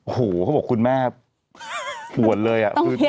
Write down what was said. โอ้โหเขาบอกคุณแม่ปวดเลย